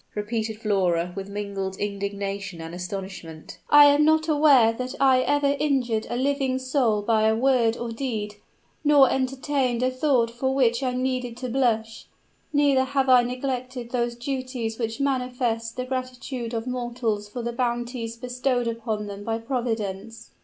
repeated Flora, with mingled indignation and astonishment. "I am not aware that I ever injured a living soul by a word or deed nor entertained a thought for which I need to blush! Neither have I neglected those duties which manifest the gratitude of mortals for the bounties bestowed upon them by Providence."